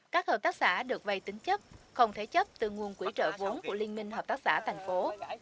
các hợp tác xã được vay tính chấp không thế chấp từ nguồn quỹ trợ vốn của liên minh hợp tác xã thành phố